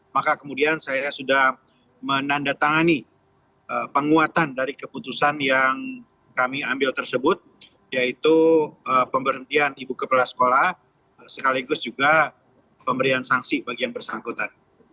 maka kemudian saya sudah menandatangani penguatan dari keputusan yang kami ambil tersebut yaitu pemberhentian ibu kepala sekolah sekaligus juga pemberian sanksi bagi yang bersangkutan